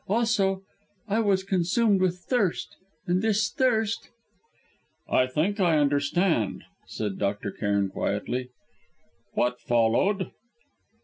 Also, I was consumed with thirst, and this thirst...." "I think I understand," said Dr. Cairn quietly. "What followed?"